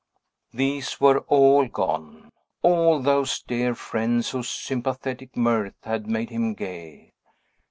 These were all gone; all those dear friends whose sympathetic mirth had made him gay.